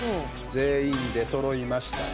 全員、出そろいましたね。